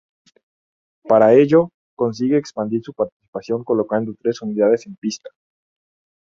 Para ello, consigue expandir su participación colocando tres unidades en pista.